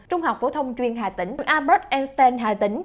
trung học phổ thông chuyên hà tĩnh trung học albert einstein hà tĩnh